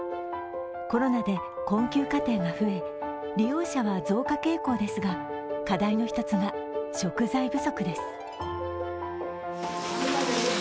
コロナで困窮家庭が増え利用者は増加傾向ですが課題の一つが食材不足です。